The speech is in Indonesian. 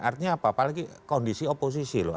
artinya apa apalagi kondisi oposisi loh